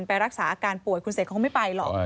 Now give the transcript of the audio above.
ไปรักษาอาการป่วยคุณเสกเขาไม่ไปหรอก